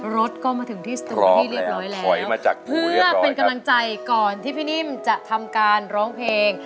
รถก็มาถึงที่สตูเป็นที่เรียบร้อยแล้วถอยมาจากเพื่อเป็นกำลังใจก่อนที่พี่นิ่มจะทำการร้องเพลง